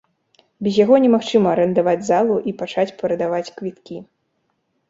Без яго немагчыма арандаваць залу і пачаць прадаваць квіткі.